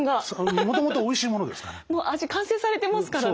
もう味完成されてますからね。